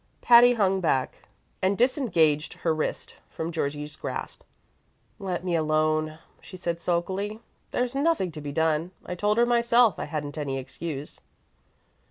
Patty hung back and disengaged her wrist from Georgie's grasp. "Let me alone," she said sulkily. "There's nothing to be done. I told her myself I hadn't any excuse."